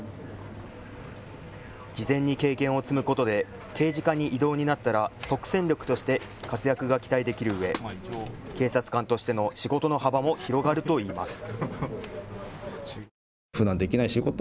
事前に経験を積むことで刑事課に異動になったら即戦力として活躍が期待できるうえ、警察官としての仕事の幅も広がるといいます。